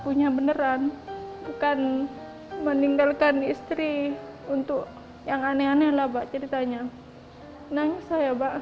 punya beneran bukan meninggalkan istri untuk yang aneh aneh lah pak ceritanya nangis saya bak